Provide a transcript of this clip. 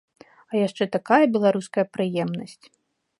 А яшчэ такая беларуская прыемнасць.